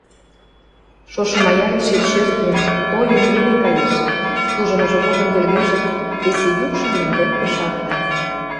Шошым аярешет шӧртньӹн, тойын веле каеш, служымыжы годым йӹлгӹжӹт, кесӹ юкшы мӹндӹркӹ шакта.